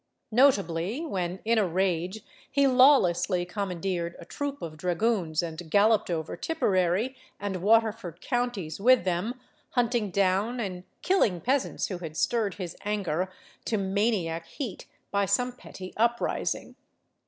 Notably when, in a rage, he lawlessly commandeered a troop of dragoons and galloped over Tipperary and Waterford Counties with them, hunting down and kill ing peasants who had stirred his anger to maniac heat by some petty uprising.